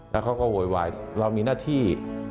แล้วเขาก็โวยวายเรามีหน้าที่